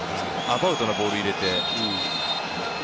アバウトなボールを入れて。